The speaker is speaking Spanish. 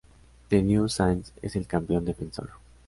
The New Saints es el campeón defensor.